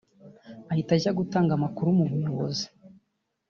ahita ajya gutanga amakuru mu buyobozi